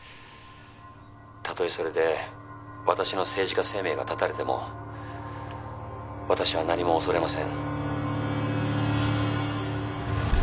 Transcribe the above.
たとえそれで私の政治家生命が絶たれても私は何も恐れません。